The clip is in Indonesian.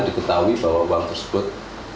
diketahui bahwa uang tersebut